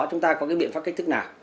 chúng ta có cái biện pháp kích thức nào